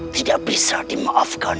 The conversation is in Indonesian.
tidak bisa dimaafkan